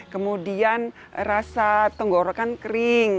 kemudian rasa tenggorokan kering